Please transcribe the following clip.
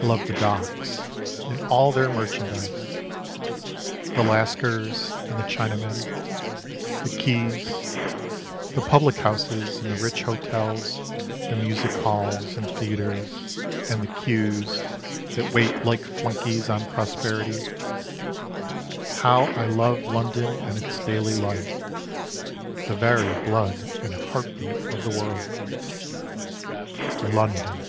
I love the Docks and all their merchandise, The Lascars and the Chinamen ; the quays, The public houses and the rich hotels The music halls and theatres and the queues That wait like flunkeys on prosperity. How I love London and its daily life, The very blood and heart beat of the world. London